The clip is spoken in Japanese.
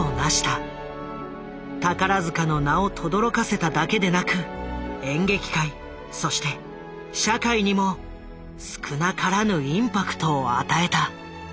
宝塚の名をとどろかせただけでなく演劇界そして社会にも少なからぬインパクトを与えた。